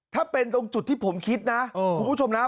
ถ้าเป็นตรงจุดที่ผมคิดนะคุณผู้ชมนะ